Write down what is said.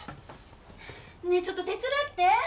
ねえちょっと手伝って。